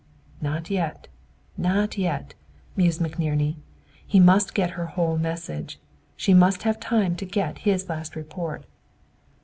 "Not yet, not yet," mused McNerney. "He must get her whole message. She must have time to get his last report."